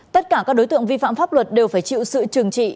tất cả các đối tượng vi phạm pháp luật đều phải chịu sự trừng trị